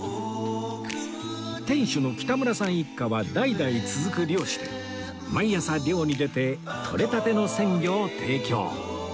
店主の北村さん一家は代々続く漁師で毎朝漁に出てとれたての鮮魚を提供